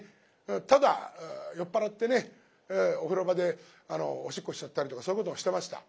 ただ酔っ払ってねお風呂場でおしっこしちゃったりとかそういうこともしてました。